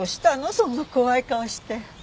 そんな怖い顔して。